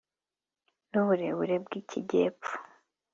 nuburebure bgikijyepfo